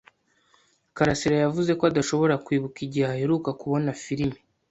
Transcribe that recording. karasira yavuze ko adashobora kwibuka igihe aheruka kubona firime.